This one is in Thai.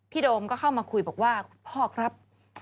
โดมก็เข้ามาคุยบอกว่าพ่อครับ